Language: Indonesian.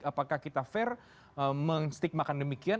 apakah kita fair menstigmakan demikian